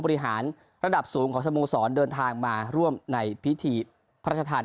บริหารระดับสูงของสโมสรเดินทางมาร่วมในพิธีพระราชทาน